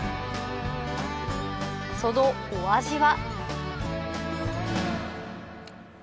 そのお味は？